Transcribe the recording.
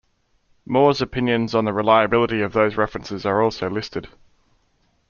Moore's opinions on the reliability of those references are also listed.